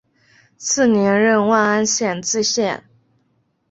次年任万安县知县。